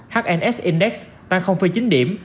hns index tăng chín điểm